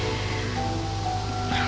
dia pasti akan datang ke sini